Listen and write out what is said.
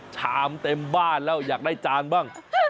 ชามเต็มบ้านแล้วอยากได้จานบ้าง